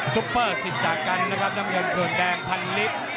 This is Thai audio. ซุปเปอร์๑๐จากกันนะครับน้ำเงินกลุ่นแดงพันลิก